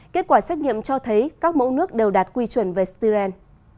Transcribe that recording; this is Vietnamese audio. kết quả xét nghiệm cho thấy các mẫu nước đều đạt quy chuẩn về styren